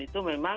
dan itu memang